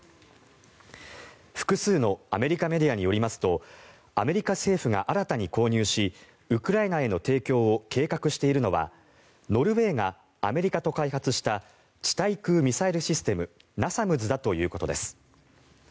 複数のアメリカメディアによりますとアメリカ政府が新たに購入しウクライナへの提供を計画しているのはノルウェーがアメリカと開発した地対空ミサイルシステムナサムズだということです。